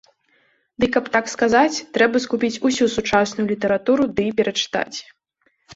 Дый каб так сказаць, трэба скупіць усю сучасную літаратуру ды перачытаць.